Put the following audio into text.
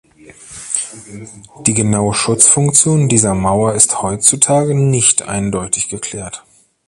Die genaue Schutzfunktion dieser Mauer ist heutzutage nicht eindeutig geklärt.